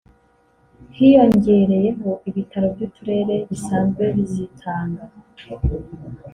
hiyongereyeho ibitaro by’uturere bisanzwe bizitanga